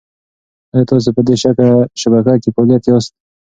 ایا تاسي په دې شبکه کې فعال یاست؟